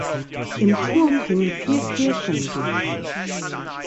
Im Turm hängen vier Kirchenglocken.